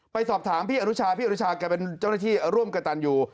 ไปสอบถามพี่อนุชาพี่อนุชาแกเป็นเจ้าหน้าที่ร่วมกับตันอยู่